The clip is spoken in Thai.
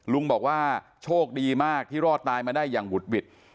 ลุงบอกว่าโชคดีมากที่รอดตายมาได้อย่างหุดหวิด